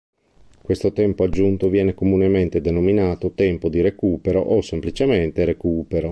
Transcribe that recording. Questo tempo aggiunto viene comunemente denominato "tempo di recupero" o semplicemente "recupero".